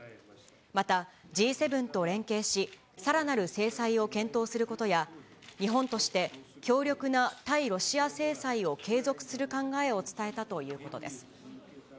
また、Ｇ７と連携し、さらなる制裁を検討することや、日本として強力な対ロシア制裁を継続する考えを伝えたということです。